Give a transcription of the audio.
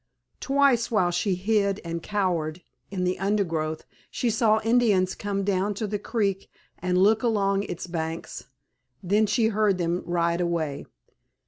Twice while she hid and cowered in the undergrowth she saw Indians come down to the creek and look along its banks, then she heard them ride away.